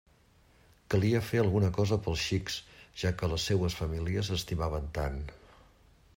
Calia fer alguna cosa pels xics, ja que les seues famílies s'estimaven tant.